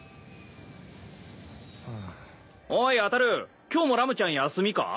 おいあたる今日もラムちゃん休みか？